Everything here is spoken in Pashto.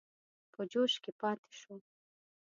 په جوش کې پاته شو.